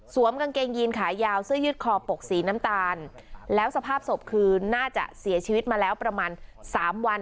กางเกงยีนขายาวเสื้อยืดคอปกสีน้ำตาลแล้วสภาพศพคือน่าจะเสียชีวิตมาแล้วประมาณสามวัน